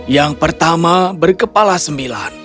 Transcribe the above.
yang pertama berkepala sembilan